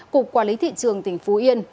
cục quản lý thị trường tỉnh phú yên